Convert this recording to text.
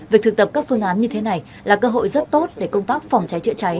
việc thực tập các phương án như thế này là cơ hội rất tốt để công tác phòng cháy chữa cháy